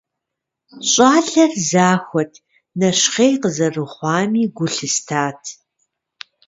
Щӏалэр зэхэуат, нэщхъей къызэрыхъуами гу лъыстат.